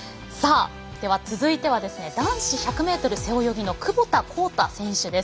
では、続いては男子１００ｍ背泳ぎの窪田幸太選手です。